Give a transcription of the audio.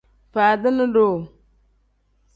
Faadini duu.